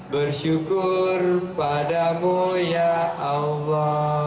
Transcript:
bersyukur padamu ya allah